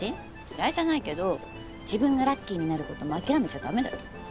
嫌いじゃないけど自分がラッキーになることも諦めちゃダメだよ。